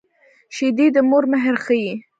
شیدې د مور مهر ښيي